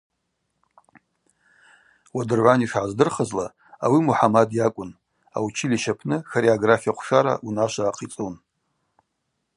Уадыргӏвана йшгӏаздырхызла, ауи Мухӏамад йакӏвын, аучилища апны хореография хъвшара унашва ахъицӏун.